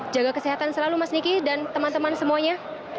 jaga kesehatan selalu mas niki dan teman teman semuanya